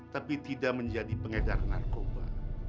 tapi tidak menjadi pengedar narkoba